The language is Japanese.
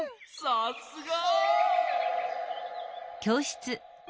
さすが！